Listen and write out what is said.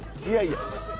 いやいや。